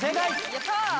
やった！